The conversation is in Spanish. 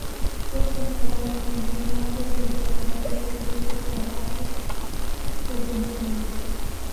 Fue fundador e integrante del ya disuelto grupo Carajo-ji de Buenos Aires.